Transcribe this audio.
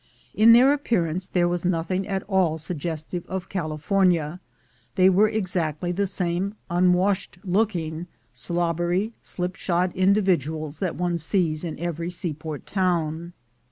In their appearance there was nothing at all suggestive of California; they were ex actly the same unwashed looking, slobbery, slipshod individuals that one sees in every seaport town.